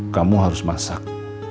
kamu harus masak